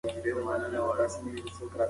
مرغۍ په ځمکه باندې وزرونه رپول.